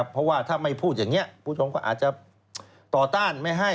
เพราะว่าถ้าไม่พูดอย่างนี้ผู้ชมก็อาจจะต่อต้านไม่ให้